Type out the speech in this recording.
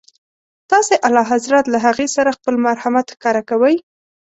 تاسي اعلیحضرت له هغې سره خپل مرحمت ښکاره کوئ.